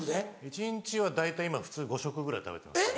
一日は大体今普通５食ぐらい食べてます。